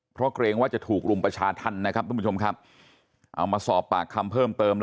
เพราะเกรงว่าจะถูกลุมประชาธนตร์เออก็สอบตามคำเพิ่มเติม